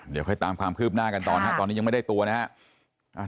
เดี๋ยวค่อยตามความคืบหน้ากันต่อนะครับตอนนี้ยังไม่ได้ตัวนะครับ